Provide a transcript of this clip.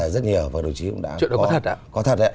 rất nhiều và đồng chí cũng đã có